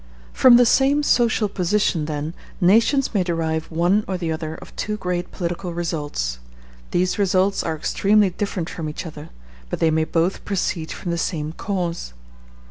From the same social position, then, nations may derive one or the other of two great political results; these results are extremely different from each other, but they may both proceed from the same cause.